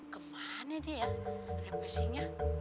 kemana dia ya rembesinya